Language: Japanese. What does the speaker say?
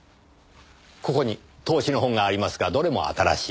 ここに投資の本がありますがどれも新しい。